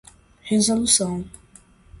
resolução